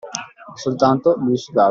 Soltanto, lui sudava.